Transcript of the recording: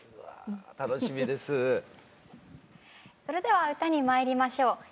それでは歌にまいりましょう。